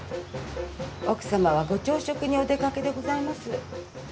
奥様はご朝食にお出かけでございます。